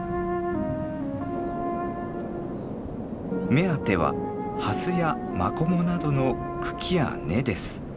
目当てはハスやマコモなどの茎や根です。